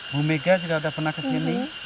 bu mega juga sudah pernah kesini